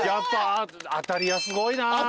当り矢すごいな。